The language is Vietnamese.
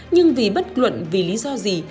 nhưng vì bất luận vì lý do gì